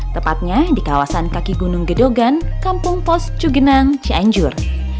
tepatnya di kawasan kaki gunung gedogan kampung pos cugenang cianjur